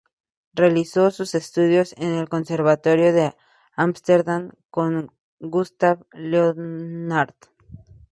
Realizó sus estudios en el Conservatorio de Ámsterdam con Gustav Leonhardt.